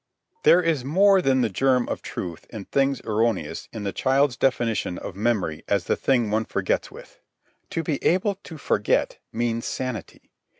There is more than the germ of truth in things erroneous in the child's definition of memory as the thing one forgets with. To be able to forget means sanity.